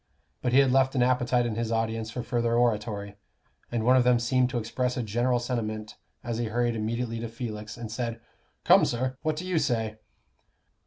But he had left an appetite in his audience for further oratory, and one of them seemed to express a general sentiment as he hurried immediately to Felix, and said, "Come, sir, what do you say?"